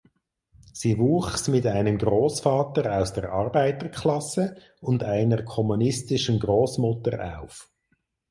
Sie wuchs mit einem Großvater aus der Arbeiterklasse und einer kommunistischen Großmutter auf.